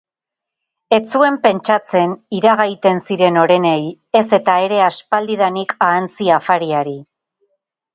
Ez zuen pentsatzen iragaiten ziren orenei, ez eta ere aspaldidanik ahantzi afariari.